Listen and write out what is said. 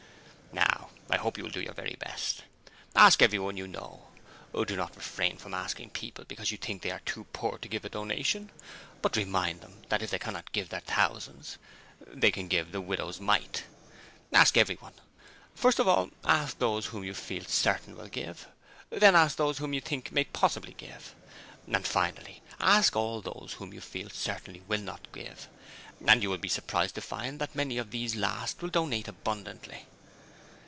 'Now, I hope you will all do your very best. Ask everyone you know; do not refrain from asking people because you think that they are too poor to give a donation, but remind them that if they cannot give their thousands they can give the widow's mite. Ask Everyone! First of all ask those whom you feel certain will give: then ask all those whom you think may possibly give: and, finally, ask all those whom you feel certain will not give: and you will be surprised to find that many of these last will donate abundantly.